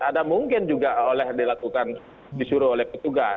ada mungkin juga oleh dilakukan disuruh oleh petugas